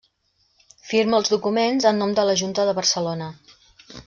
Firma els documents en nom de la Junta de Barcelona.